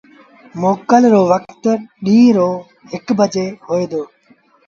موڪل رو وکت ڏيٚݩهݩ رو هڪ بجي هوئي دو۔